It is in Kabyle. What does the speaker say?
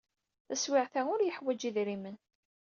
Taswiɛt-a, ur yeḥwaj idrimen.